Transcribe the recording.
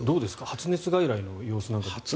発熱外来の様子なんかどうですか。